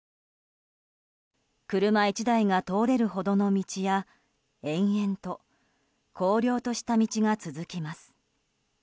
車１台が通れるほどの道や延々と荒涼とした道が続きます。